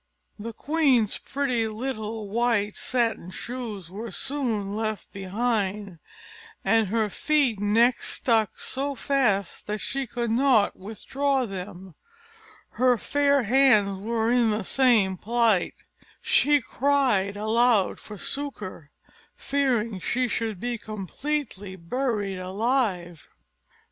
The queen's pretty little white satin shoes were soon left behind; and her feet next stuck so fast that she could not withdraw them; her fair hands were in the same plight; she cried aloud for succour, fearing she should be completely buried alive.